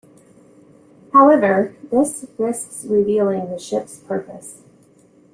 However, this risks revealing the ship's purpose.